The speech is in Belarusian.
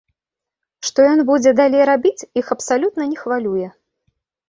Што ён будзе далей рабіць, іх абсалютна не хвалюе.